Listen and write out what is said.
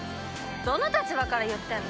どの立場から言ってんの？